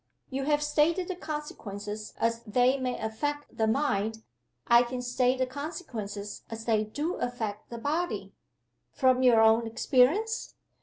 You have stated the consequences as they may affect the mind. I can state the consequences as they do affect the body." "From your own experience?"